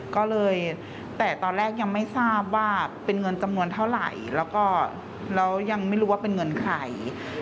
ก็เลยแต่ตอนแรกยังไม่ทราบว่าเป็นเงินจำนวนเท่าไหร่แล้วก็แล้วยังไม่รู้ว่าเป็นเงินใคร